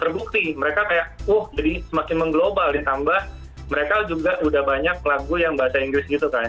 terbukti mereka kayak oh jadi semakin mengglobal ditambah mereka juga udah banyak lagu yang bahasa inggris gitu kan